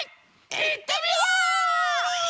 いってみよう！